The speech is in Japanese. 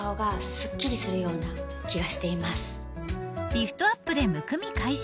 ［リフトアップでむくみ解消。